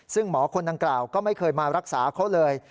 ซึ่งหมอคนดังกล่าวก็ไม่เคยมารักษาเขาเลย